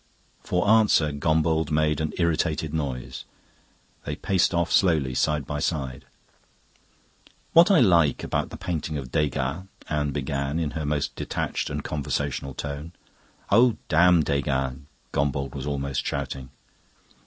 For answer Gombauld made an irritated noise. They paced off slowly, side by side. "What I like about the painting of Degas..." Anne began in her most detached and conversational tone. "Oh, damn Degas!" Gombauld was almost shouting.